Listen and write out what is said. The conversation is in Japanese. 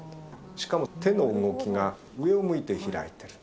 しかも手の動きが上を向いて開いてる。